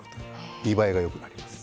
見栄えがよくなります。